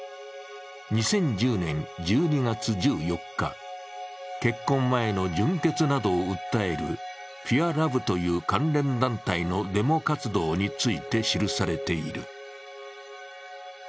２０１０年１２月１４日、結婚前の純潔などを訴えるピュアラブという関連団体のデモ活動について記されている。